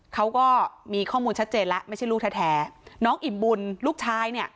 เขาก็มีข้อมูลชัดเจนแล้วไม่ใช่ลูกแท้น้องอิ่มบุญลูกชายเนี่ย